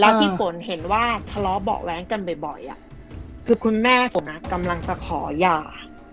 แล้วที่ฝนเห็นว่าทะเลาะเบาะแว้งกันบ่อยคือคุณแม่ฝนกำลังจะขอหย่า